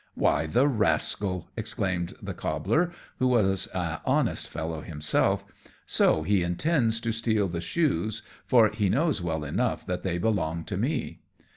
"Why, the rascal!" exclaimed the Cobbler, who was a honest fellow himself, "so he intends to steal the shoes, for he knows well enough that they belong to me.